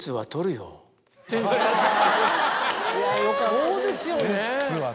「そうですよね！」。